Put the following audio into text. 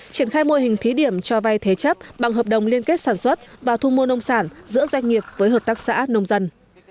triển khai mô hình thí điểm cho vay thế chấp bằng hợp đồng liên kết sản xuất và thu mua nông sản giữa doanh nghiệp với hợp tác xã nông dân